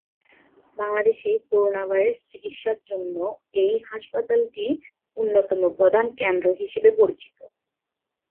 বাংলাদেশে করোনাভাইরাস চিকিৎসার জন্য এই হাসপাতালটি অন্যতম প্রধান কেন্দ্র হিশেবে পরিচিত।